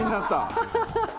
ハハハハ！